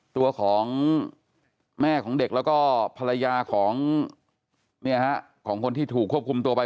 ตัวของแม่ของเด็กแล้วก็ภรรยาของคนที่ถูกควบคุมตัวไป